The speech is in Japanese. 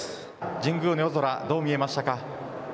神宮の夜空どう見えましたか。